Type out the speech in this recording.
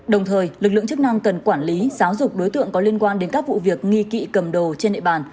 đồng thời lực lượng chức năng cần quản lý giáo dục đối tượng có liên quan đến các vụ việc nghi kỵ cầm đồ trên địa bàn